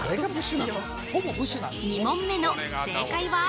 ２問目の正解は？